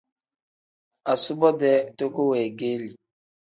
Asubo-dee toko weegeeli.